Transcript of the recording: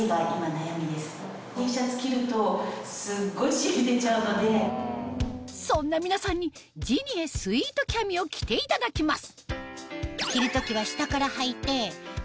着用前にそんな皆さんにジニエスウィートキャミを着ていただきます